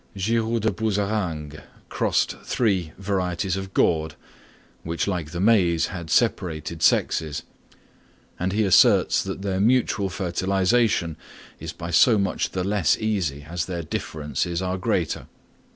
Girou de Buzareingues crossed three varieties of gourd, which like the maize has separated sexes, and he asserts that their mutual fertilisation is by so much the less easy as their differences are greater.